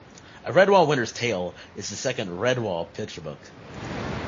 "A Redwall Winter's Tale" is the second "Redwall" picture book.